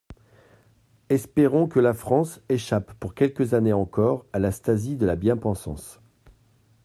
Espérons que la France échappe pour quelques années encore à la Stasi de la bien-pensance.